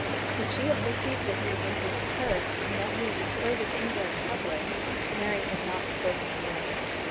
Since she had perceived that he was angry with her, and that he had displayed his anger in public Mary had not spoken a word.